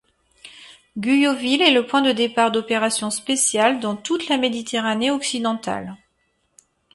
Guyotville est le point de départ d’opérations spéciales dans toute la Méditerranée occidentale.